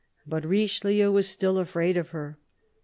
But Richelieu was still afraid of her.